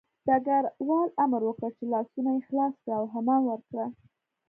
ډګروال امر وکړ چې لاسونه یې خلاص کړه او حمام ورکړه